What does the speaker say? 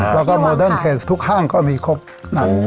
แล้วก็โมเดิร์นเทนส์ทุกห้างก็มีครบนะ